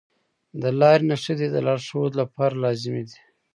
د لارې نښې د لارښود لپاره لازمي دي.